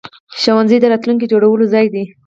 ښوونځی د راتلونکي جوړولو ځای دی.